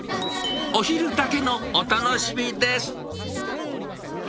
お昼だけのお楽しみです。